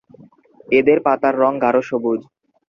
এদের পাতার রঙ গাঢ়-সবুজ।